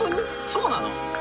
そうなの？